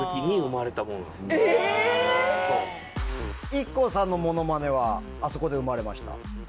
ＩＫＫＯさんのモノマネはあそこで生まれました。